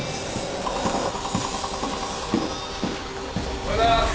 おはようございます。